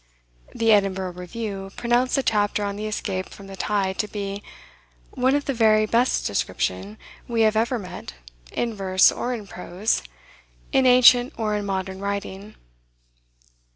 The "Edinburgh Review" pronounced the chapter on the escape from the tide to be "I the very best description we have ever met, inverse or in prose, in ancient or in modern writing."